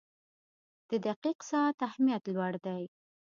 • د دقیق ساعت اهمیت لوړ دی.